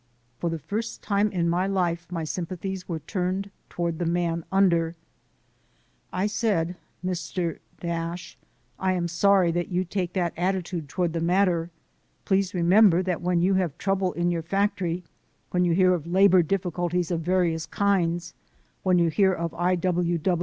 For the first time in my life my sympathies were turned toward the man under. I said, "Mr. I am sorry that you take that at titude toward the matter. Please remember that when you have trouble in your factory, when you hear of labor difficulties of various kinds ; when you hear of I.